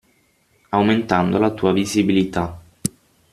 Aumentando la tua visibilità.